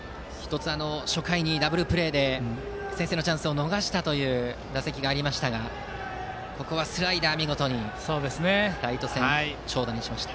１つ初回にダブルプレーで先制のチャンスを逃した打席がありましたがここはスライダーを見事にライト線、長打にしました。